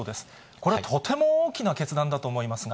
これはとても大きな決断だと思いますが。